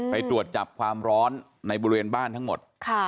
ไปตรวจจับความร้อนในบริเวณบ้านทั้งหมด